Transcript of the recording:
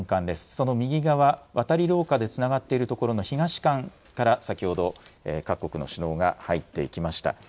その右側、渡り廊下でつながっているところの東館から先ほど各国の首脳が入っていきました。